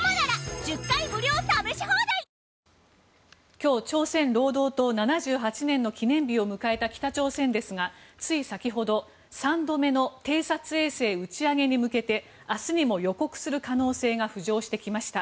今日、朝鮮労働党７８年の記念日を迎えた北朝鮮ですが、つい先ほど３度目の偵察衛星打ち上げに向けて明日にも予告する可能性が浮上してきました。